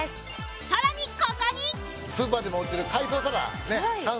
さらにここにスーパーでも売ってる海藻サラダ。